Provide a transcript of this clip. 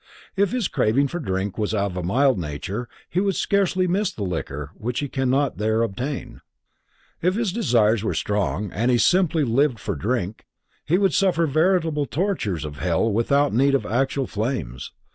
If his craving for drink was of a mild nature, he would scarcely miss the liquor which he cannot there obtain. If his desires were strong and he simply lived for drink, he would suffer veritable tortures of hell without need of actual flames.